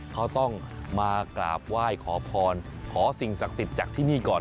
เขาต้องมากราบไหว้ขอพรขอสิ่งศักดิ์สิทธิ์จากที่นี่ก่อน